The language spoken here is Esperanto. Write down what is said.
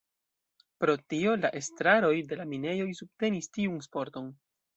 Pro tio, la estraroj de la minejoj subtenis tiun sporton.